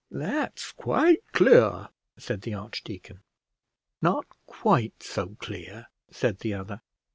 "That's quite clear," said the archdeacon. "Not quite so clear," said the other.